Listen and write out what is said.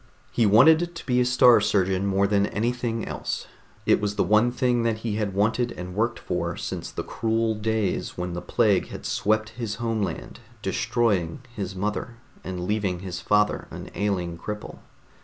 He wanted to be a Star Surgeon more than anything else. It was the one thing that he had wanted and worked for since the cruel days when the plague had swept his homeland, destroying his mother and leaving his father an ailing cripple.